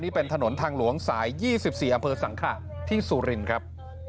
นี่เป็นถนนทางหลวงสาย๒๔อำเภอสังขะที่สุรินครับ